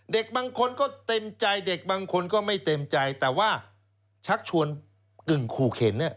เด็กบางคนก็เต็มใจเด็กบางคนก็ไม่เต็มใจแต่ว่าชักชวนกึ่งขู่เข็น